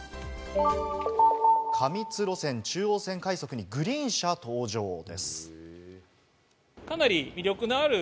過密路線、中央線快速にグリーン車登場です。